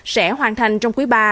sẽ hoàn thành trong quý ba